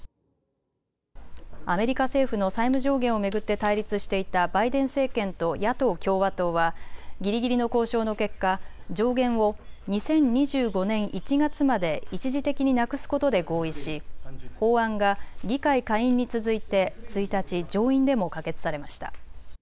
アメリカ政府の債務上限を巡って対立していたバイデン政権と野党・共和党はぎりぎりの交渉の結果、上限を２０２５年１月まで一時的になくすことで合意し法案が議会下院に続いて１日、上院でも可決されました。